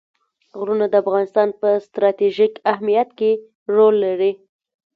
غرونه د افغانستان په ستراتیژیک اهمیت کې رول لري.